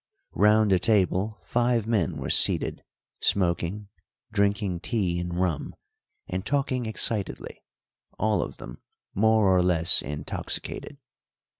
Round the table five men were seated smoking, drinking tea and rum, and talking excitedly, all of them more or less intoxicated.